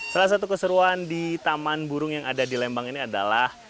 salah satu keseruan di taman burung yang ada di lembang ini adalah